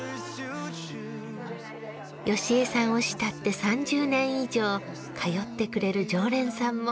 由江さんを慕って３０年以上通ってくれる常連さんも。